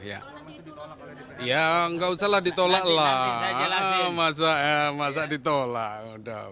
ya nggak usah lah ditolak lah masa ditolak